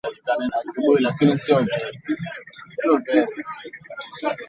Ehsan Ali Khan was the organizer of the Liberation War of Bangladesh.